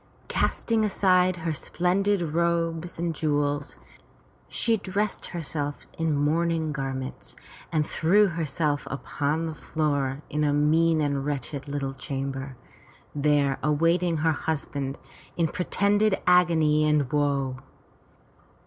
Casting aside her splendid robes and jewels, she dressed herself in mourning garments and threw her self upon the floor in a mean and wretched little chamber, there awaiting her husband in pretended agony and woe.